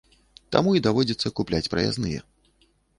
Таму і даводзіцца купляць праязныя.